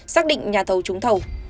xác định nhà thầu trúng thầu